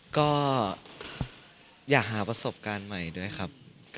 ก็อยากหาประสบการณ์ใหม่ด้วยครับ